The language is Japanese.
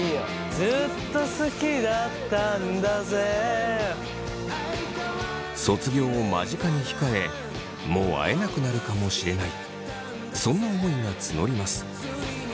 ずっと好きだったんだぜ卒業を間近に控えもう会えなくなるかもしれないそんな思いが募ります。